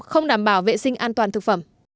không đảm bảo vệ sinh an toàn thực phẩm